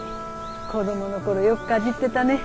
子どもの頃よくかじってたね。